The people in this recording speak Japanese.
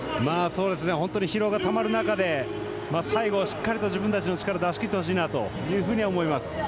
本当に疲労がたまる中で最後をしっかりと自分たちの力出しきってほしいなと思います。